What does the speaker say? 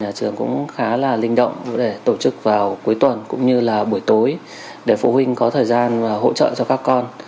nhà trường cũng khá là linh động để tổ chức vào cuối tuần cũng như là buổi tối để phụ huynh có thời gian hỗ trợ cho các con